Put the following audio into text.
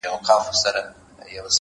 له ځانه ووتلم «نه» ته چي نه ـ نه وويل”